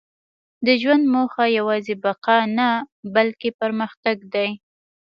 • د ژوند موخه یوازې بقا نه، بلکې پرمختګ دی.